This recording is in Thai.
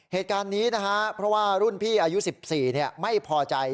เหตุการณ์นี้นะฮะเพราะว่ารุ่นพี่อายุ๑๔ไม่พอใจ